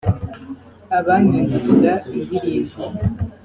abanyandikira indirimbo